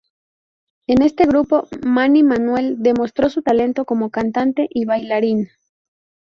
En este grupo, Manny Manuel demostró su talento como cantante y bailarín.